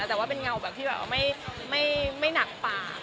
แต่ว่าเป็นเงาแบบที่แบบไม่หนักปาก